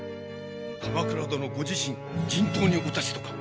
鎌倉殿ご自身陣頭にお立ちとか。